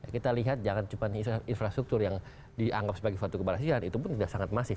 kita lihat jangan cuma infrastruktur yang dianggap sebagai suatu keberhasilan itu pun tidak sangat masif